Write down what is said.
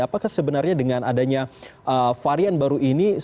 apakah sebenarnya dengan adanya varian baru ini